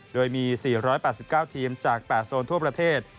โดยมี๔๘๙ทีมจาก๘โซนทั่วประเทศ